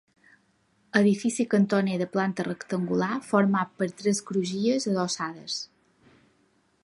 Edifici cantoner de planta rectangular, format per tres crugies adossades.